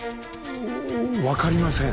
分かりません。